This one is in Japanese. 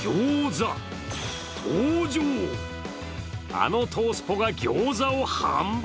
あの東スポが餃子を販売！？